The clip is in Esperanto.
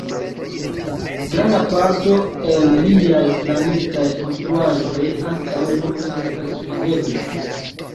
Granda parto el liaj planitaj konstruaĵoj ankaŭ nun estas videblaj.